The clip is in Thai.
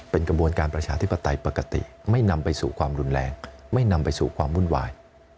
เป็นกระบวนการประชาธิปไตยปกติไม่นำไปสู่ความรุนแรงไม่นำไปสู่ความวุ่นวาย